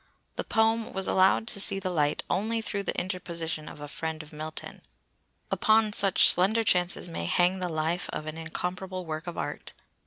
The poem was allowed to see the light only through the interposition of a friend of Milton. Upon such slender chances may hang the life of an incomparable work of art!